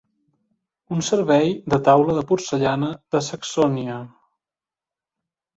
Un servei de taula de porcellana de Saxònia.